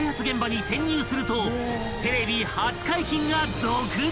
現場に潜入するとテレビ初解禁が続々！］